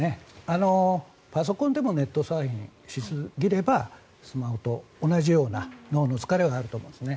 パソコンでもネットサーフィンしすぎればスマホと同じような脳の疲れがあると思います。